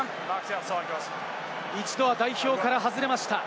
一度は代表から外れました。